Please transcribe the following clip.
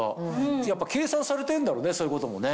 やっぱ計算されてんだろうねそういうこともね。